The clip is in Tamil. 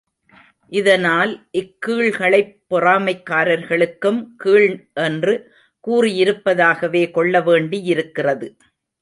இதனால் இக்கீழ்களைப் பொறாமைக்காரர்களுக்கும் கீழ் என்று கூறியிருப்பதாகவே கொள்ளவேண்டியிருக்கிறது.